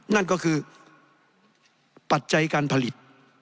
นั่นก็คือปัจจัยการผลิต